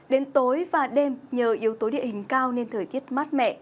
đến tối và đêm nhờ yếu tố địa hình cao nên thời tiết mát mẻ